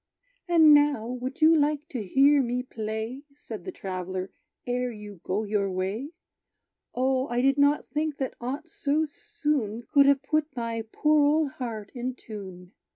"And now, would you like to hear me play," Said the traveller, "ere you go your way? O, I did not think that aught so soon Could have put my poor old heart in tune.